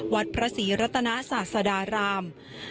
วัดพระศรีรัตนาศาสดาราม